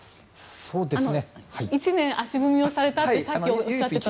１年足踏みをされたってさっきおっしゃっていて。